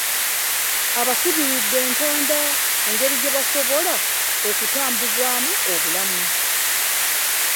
Abasibiridde entanda ku ngeri gyebasobola okutambuzaamu obulamu.